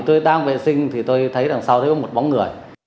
tôi đang vệ sinh thì tôi thấy đằng sau đấy có một bóng người